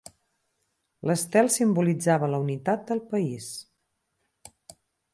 L'estel simbolitzava la unitat del país.